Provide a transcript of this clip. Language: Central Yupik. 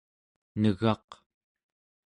negaq